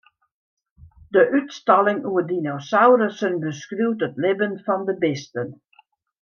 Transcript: De útstalling oer dinosaurussen beskriuwt it libben fan de bisten.